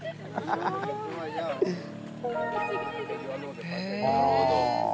なるほど。